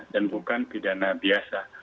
dan bukan pidana biasa